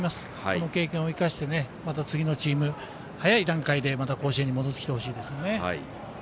この経験を生かしてまた次のチーム早い段階で、また甲子園に戻ってきてほしいですね。